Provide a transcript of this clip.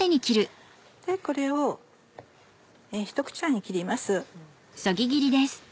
これをひと口大に切ります。